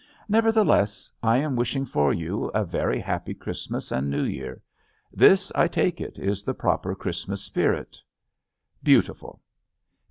Nevertheless, I am wishing for you a very happy Christmas and New Year. This, I take it, is the proper Christmas spirit. "Beautiful."